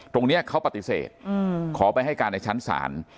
ตรงนี้เขาปฏิเสธขอไปให้การในชั้นศาล